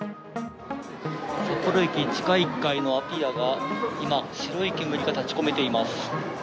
札幌駅地下１階のアピアが今、白い煙が立ちこめています。